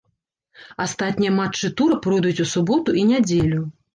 Астатнія матчы тура пройдуць у суботу і нядзелю.